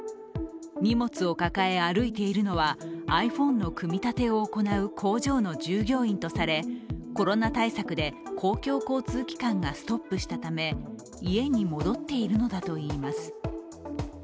荷物を抱え、歩いているのはｉＰｈｏｎｅの組み立てを行う工場の従業員とされ、コロナ対策で公共交通機関がストップしたため家に戻っているのだといいます。